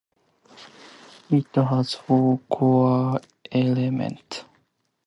It has four core elements.